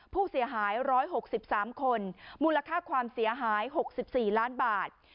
ผู้เสียหาย๑๖๓คนมูลค่าความเสียหาย๖๔ล้านบาท